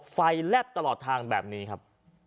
แลบตลอดทางแบบนี้ครับ